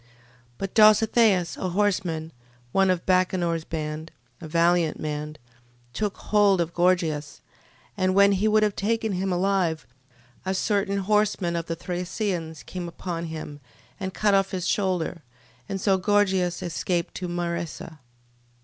12:35. But Dositheus, a horseman, one of Bacenor's band, a valiant man, took hold of Gorgias: and when he would have taken him alive, a certain horseman of the Thracians came upon him, and cut off his shoulder: and so Gorgias escaped to Maresa.